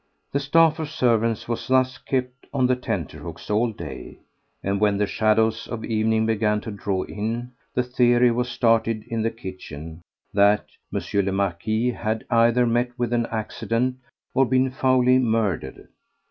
The staff of servants was thus kept on tenterhooks all day, and when the shadows of evening began to draw in, the theory was started in the kitchen that M. le Marquis had either met with an accident or been foully murdered.